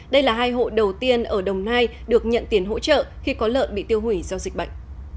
đây là hai hộ đầu tiên ở đồng nai được nhận tiền hỗ trợ khi có lợn bị tiêu hủy do dịch bệnh